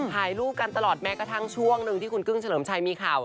ถ่ายรูปกันตลอดแม้กระทั่งช่วงหนึ่งที่คุณกึ้งเฉลิมชัยมีข่าว